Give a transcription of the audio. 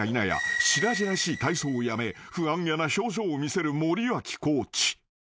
しらじらしい体操をやめ不安げな表情を見せる森脇コーチ］